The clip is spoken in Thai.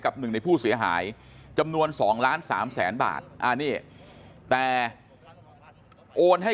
หนึ่งในผู้เสียหายจำนวน๒ล้าน๓แสนบาทนี่แต่โอนให้